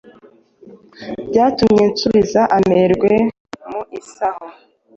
Byatumye nsubiza amerwe mu isaho.